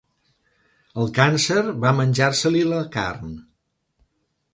El càncer va menjar-se-li la carn.